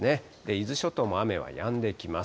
伊豆諸島も雨はやんできます。